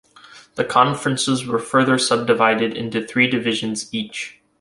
The conferences were further subdivided into three divisions each.